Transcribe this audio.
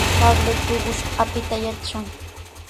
Pablo tuqush apita yatran.